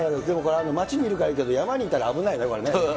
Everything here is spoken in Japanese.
街にいるからいいけど、山にいたら危ないね、これね。